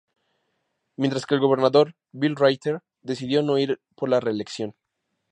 Mientras que el gobernador Bill Ritter decidió no ir por la reelección.